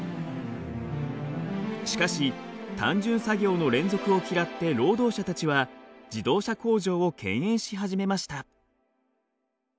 しかし単純作業の連続を嫌って労働者たちは自動車工場を敬遠し始めました。